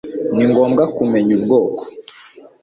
Ni ngombwa kumenya ubwoko